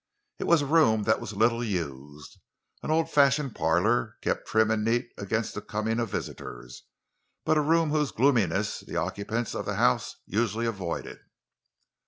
It was a room that was little used—an old fashioned parlor, kept trim and neat against the coming of visitors, but a room whose gloominess the occupants of the house usually avoided.